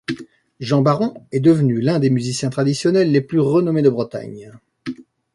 Jean Baron est devenu l'un des musiciens traditionnel les plus renommés de Bretagne.